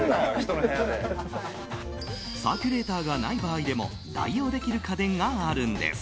サーキュレーターがない場合でも代用できる家電があるんです。